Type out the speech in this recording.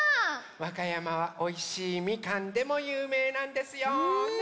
わかやまはおいしいみかんでもゆうめいなんですよね。